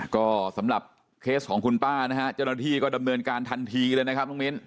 ก็สำหรับเคสของคุณป้านะฮะเจ้าหน้าที่ก็ดำเนินการทันทีเลยนะครับน้องมิ้น